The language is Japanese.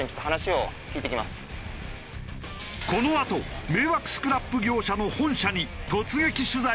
このあと迷惑スクラップ業者の本社に突撃取材！